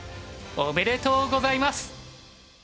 おめでとうございます。